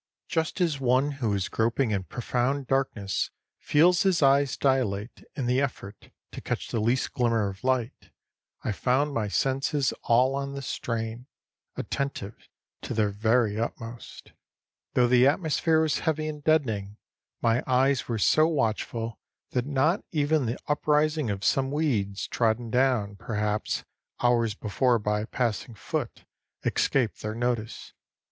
Just as one who is groping in profound darkness feels his eyes dilate in the effort to catch the least glimmer of light, I found my senses all on the strain, attentive to their very utmost. Though the atmosphere was heavy and deadening, my eyes were so watchful that not even the uprising of some weeds, trodden down, perhaps, hours before by a passing foot, escaped their notice.